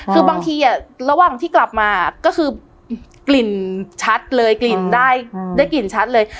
คือบางทีระหว่างที่กลับมาก็คือกลิ่นชัดเลยกลิ่นได้กลิ่นชัดเลย